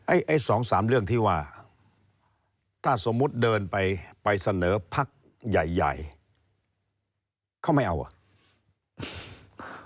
ไอ้สองสามเรื่องที่ว่าถ้าสมมุติเดินไปไปเสนอพักใหญ่ใหญ่เขาไม่เอาอ่ะ